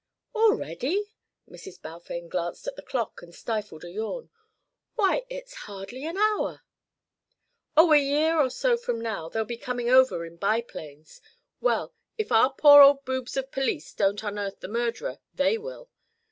"Already?" Mrs. Balfame glanced at the clock and stifled a yawn. "Why, it's hardly an hour " "Oh, a year or so from now they'll be coming over in bi planes. Well, if our poor old boobs of police don't unearth the murderer, they will.